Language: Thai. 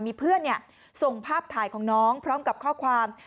มีเพื่อนส่งภาพถ่ายของน้องพร้อมกับข้อความ